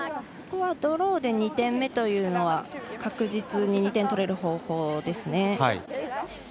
ここはドローで２点目というのは確実に２点取れる方法ですね。